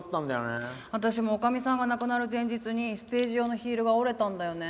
私も女将さんが亡くなる前日にステージ用のヒールが折れたんだよね。